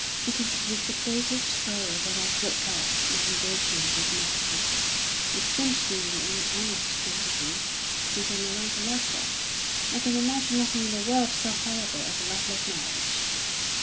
"It is with the greatest sorrow that I broke off my engagement with Mary Clibborn. It seemed to me the only honest thing to do since I no longer loved her. I can imagine nothing in the world so horrible as a loveless marriage."